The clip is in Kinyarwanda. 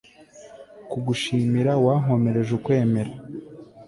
kugushimira, wankomereje ukwemera